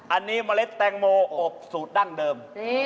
อันนี้เมล็ดแตงโมอบสูตรดั้งเดิม